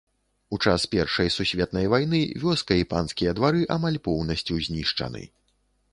У час першай сусветнай вайны вёска і панскія двары амаль поўнасцю знішчаны.